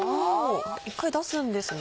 一回出すんですね。